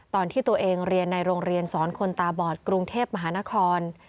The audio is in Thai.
ตอนที่ตัวเองเรียนในโรงเรียนสอนคนตาบอดกรุงเทพมหานคร